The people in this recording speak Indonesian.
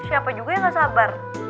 siapa juga yang gak sabar